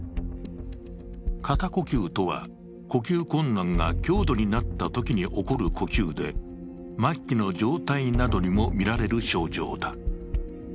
肩呼吸とは、呼吸困難が強度になったときに起こる呼吸で末期の状態などにも見られる症状だ。